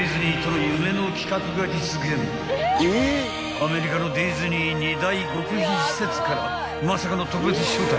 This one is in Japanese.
［アメリカのディズニー２大極秘施設からまさかの特別招待］